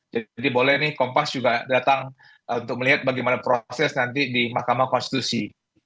jadi boleh nih kompas juga datang untuk melihat bagaimana proses nanti di mahkamah konstitusi